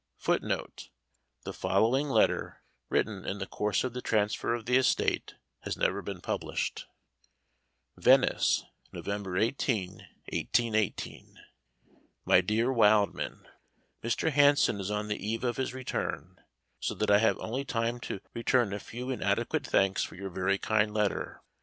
[Footnote: The following letter, written in the course of the transfer of the estate, has never been published: Venice, November 18, 1818. My Dear Wildman, Mr. Hanson is on the eve of his return, so that I have only time to return a few inadequate thanks for your very kind letter.